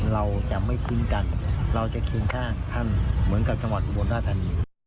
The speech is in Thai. เราจะไม่ทิ้งกันเราจะเคียงข้างท่านเหมือนกับจังหวัดอุบลราชธานี